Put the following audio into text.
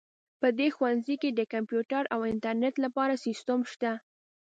په دې ښوونځي کې د کمپیوټر او انټرنیټ لپاره سیسټم شته